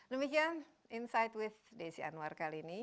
demikian insight with desi anwar kali ini